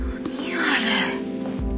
あれ。